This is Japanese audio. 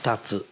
２つ。